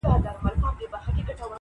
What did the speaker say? هرچا ته ځکهیاره بس چپه نیسم لاسونه,